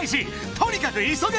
［とにかく急げ！］